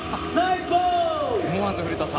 思わず古田さん。